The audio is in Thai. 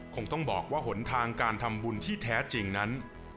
คงต้องบอกว่าหนทางการทำบุญที่แท้จริงนั้น